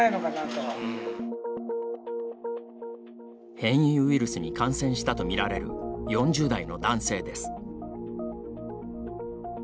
変異ウイルスに感染したと見られる、４０代の男性です。